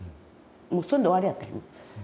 もうそれで終わりやったんやね。